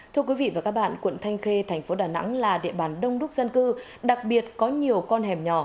thưa quý vị và các bạn quận thanh khê thành phố đà nẵng là địa bàn đông đúc dân cư đặc biệt có nhiều con hẻm nhỏ